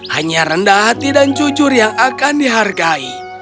hanya rendah hati dan jujur yang akan dihargai